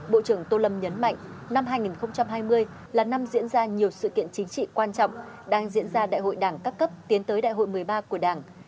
bộ trưởng tô lâm nhấn mạnh năm hai nghìn hai mươi là năm diễn ra nhiều sự kiện chính trị quan trọng đang diễn ra đại hội đảng các cấp tiến tới đại hội một mươi ba của đảng